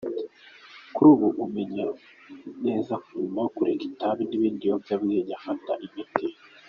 Kuri ubu ameze neza nyuma yo kureka itabi n’ibindi biyobyabwenge agafata imiti.